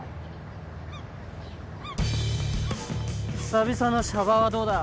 久々のシャバはどうだ？